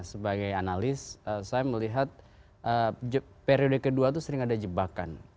sebagai analis saya melihat periode kedua itu sering ada jebakan